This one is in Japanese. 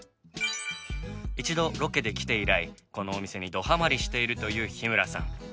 一度ロケで来て以来このお店にどハマりしているという日村さん。